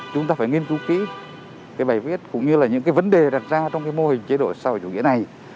chúng ta phải nghiên cứu kỹ cái bài viết cũng như là những cái vấn đề đặt ra trong cái mô hình chế độ xã hội chủ nghĩa này